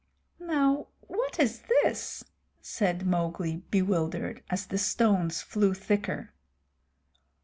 "Now what is this?" said Mowgli, bewildered, as the stones flew thicker.